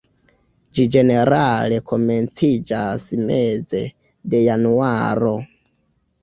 Ĝi ĝenerale komenciĝas meze de januaro.